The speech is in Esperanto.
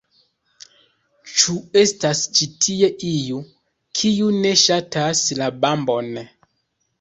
Ĉu estas ĉi tie iu, kiu ne ŝatas la Bambon?